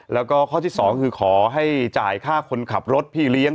แล้วก็ข้อที่๒คือขอให้จ่ายค่าคนขับรถพี่เลี้ยง